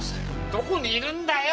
どこにいるんだよ。